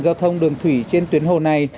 giao thông đường thủy trên tuyến hồ này